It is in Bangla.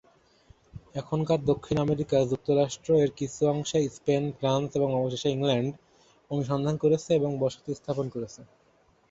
এখনকার দক্ষিণ আমেরিকা যুক্তরাষ্ট্র এর কিছু অংশে স্পেন, ফ্রান্স এবং অবশেষে ইংল্যান্ড অনুসন্ধান করেছে এবং বসতি স্থাপন করেছে।